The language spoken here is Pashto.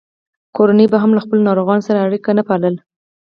کورنیو به هم له خپلو ناروغانو سره اړیکه نه پاللـه.